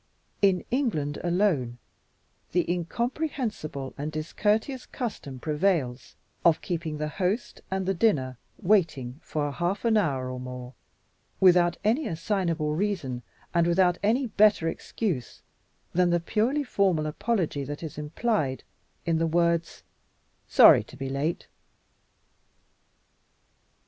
In England alone, the incomprehensible and discourteous custom prevails of keeping the host and the dinner waiting for half an hour or more without any assignable reason and without any better excuse than the purely formal apology that is implied in the words, "Sorry to be late."